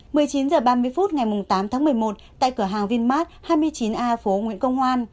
một mươi chín h ba mươi phút ngày tám tháng một mươi một tại cửa hàng vinmart hai mươi chín a phố nguyễn công hoan